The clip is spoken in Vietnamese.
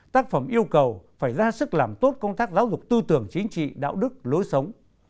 tác phẩm yêu cầu phải ra sức làm tốt công tác giáo dục tư tưởng chính trị đạo đức lối sống